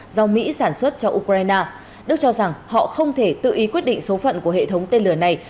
do mỹ sản xuất cho ukraine đức cho rằng họ không thể tự ý quyết định số phận của hệ thống tên lửa này